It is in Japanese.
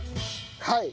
はい。